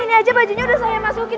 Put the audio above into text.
ini aja bajunya udah saya masukin